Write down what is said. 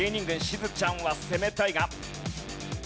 しずちゃんは攻めたいが。